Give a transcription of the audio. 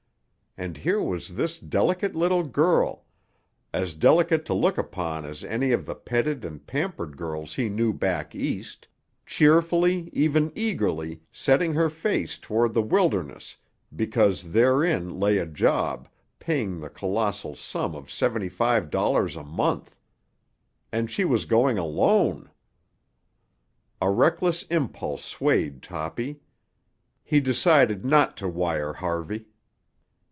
And here was this delicate little girl—as delicate to look upon as any of the petted and pampered girls he knew back East—cheerfully, even eagerly, setting her face toward the wilderness because therein lay a job paying the colossal sum of seventy five dollars a month! And she was going alone! A reckless impulse swayed Toppy. He decided not to wire Harvey.